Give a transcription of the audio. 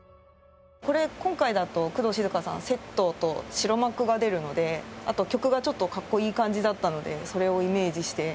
これ今回だと工藤静香さんセットと白幕が出るのであと曲がちょっとかっこいい感じだったのでそれをイメージして。